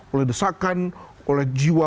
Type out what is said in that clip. oleh desakan oleh jiwa